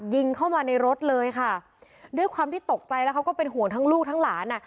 ยิงเข้ามาในรถเลยค่ะด้วยความที่ตกใจแล้วเขาก็เป็นห่วงทั้งลูกทั้งหลานอ่ะ